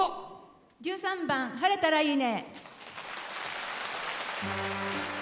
１３番「晴れたらいいね」。